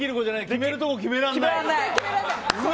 決めるとこ決められない！